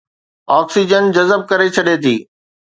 oxygen جذب ڪري ڇڏي ٿي